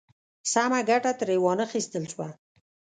سمه ګټه ترې وا نخیستل شوه.